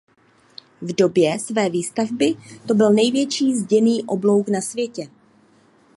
V době své výstavby to byl největší zděný oblouk na světě.